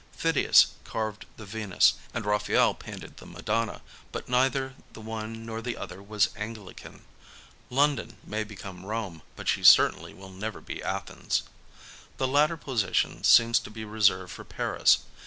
Phidias carved the Venus, and Raphael painted the Madonna, but neither the one nor the other was Anglican. London may become Rome, but she certainly will never be A DAY IN LONDON 53 Athens. The latter position seems to be reserved for Paris.